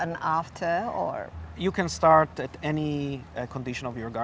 anda bisa mulai dengan apa saja kondisi hutan anda